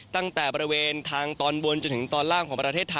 ตั้งแต่บริเวณทางตอนบนจนถึงตอนล่างของประเทศไทย